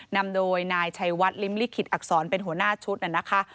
นำโดยนายชัยวัดลิ้มลิขิตอักษรเป็นหัวหน้าชุดน่ะนะคะ